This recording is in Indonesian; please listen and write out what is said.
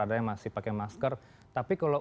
ada yang masih pakai masker tapi kalau